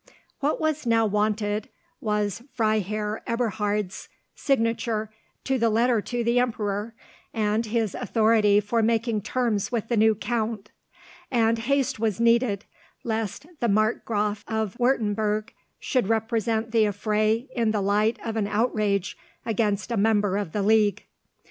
What was now wanted was Freiherr Eberhard's signature to the letter to the Emperor, and his authority for making terms with the new count; and haste was needed, lest the Markgraf of Wurtemburg should represent the affray in the light of an outrage against a member of the League.